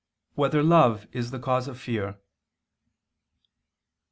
1] Whether Love Is the Cause of Fear?